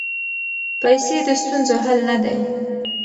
پیسې د ستونزو حل نه دی.